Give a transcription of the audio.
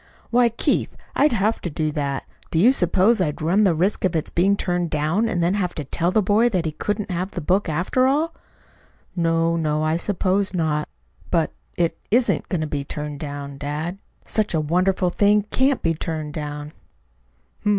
"Why, Keith, I'd have to do that. Do you suppose I'd run the risk of its being turned down, and then have to tell that boy that he couldn't have the book, after all?" "No, no, I suppose not. But it isn't going to be turned down, dad. Such a wonderful thing can't be turned down."